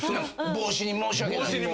帽子に申し訳ない。